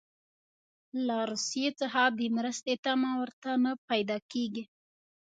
له روسیې څخه د مرستې تمه ورته نه پیدا کیږي.